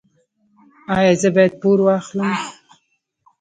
ایا زه باید پور واخلم؟